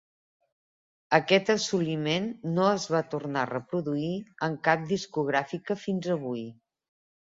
Aquest assoliment no es va tornar a reproduir en cap discogràfica fins avui.